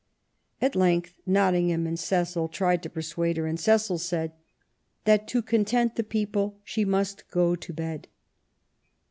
At length Nottingham and Cecil tried to persuade her, and Cecil said that "to content the people she must go to bed".